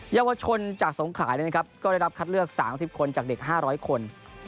เยาวชนจากสงขลาก็ได้รับคัดเลือก๓๐คนจากเด็ก๕๐๐คน